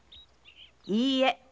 いいえ。